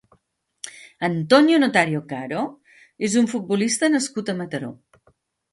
Antonio Notario Caro és un futbolista nascut a Mataró.